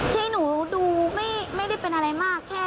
ที่หนูดูไม่ตื่นไม่มีอะไรมาก